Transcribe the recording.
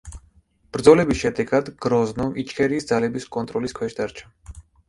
ბრძოლების შედეგად გროზნო იჩქერიის ძალების კონტროლის ქვეშ დარჩა.